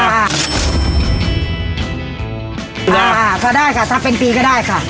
ได้นะคะถ้าเป็นปีก็ได้ค่ะ